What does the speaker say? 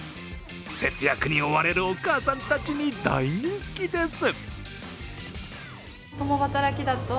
節約に追われるお母さんたちに大人気です。